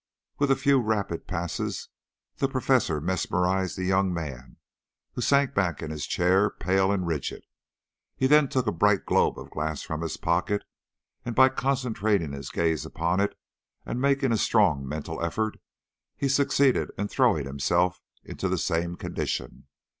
With a few rapid passes the Professor mesmerised the young man, who sank back in his chair, pale and rigid. He then took a bright globe of glass from his pocket, and by concentrating his gaze upon it and making a strong mental effort, he succeeded in throwing himself into the same condition.